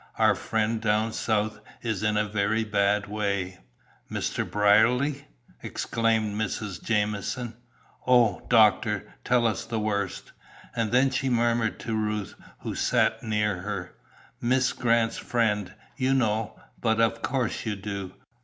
Our friend down south is in a very bad way." "Mr. Brierly?" exclaimed Mrs. Jamieson. "Oh, doctor, tell us the worst." And then she murmured to Ruth, who sat near her, "Miss Grant's friend, you know, but of course you do.